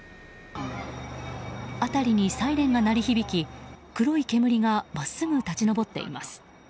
辺りにサイレンが鳴り響き黒い煙が真っすぐ立ち上っています。